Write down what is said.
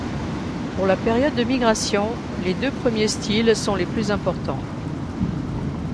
Pour la période de migration, les deux premiers styles sont les plus importants.